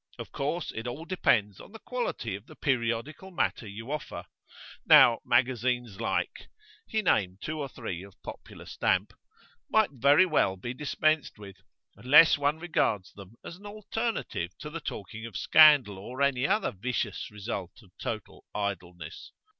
Of course it all depends on the quality of the periodical matter you offer. Now, magazines like' he named two or three of popular stamp 'might very well be dispensed with, unless one regards them as an alternative to the talking of scandal or any other vicious result of total idleness.